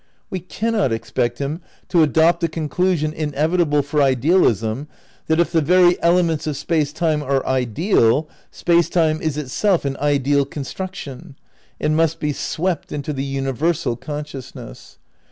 We cannot expect him to adopt the conclusion, inevitable for idealism, that if the very elements of Space Time are ideal, Space Time is itself an ideal construction and must be swept into the uni versal consciousness.